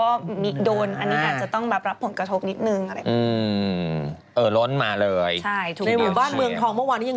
ก็มีโดนอันนี้ค่ะจะต้องแบบรับผลกระทบนิดนึง